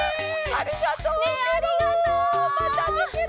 ありがとう！